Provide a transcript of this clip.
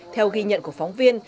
theo ghi nhận của phóng viên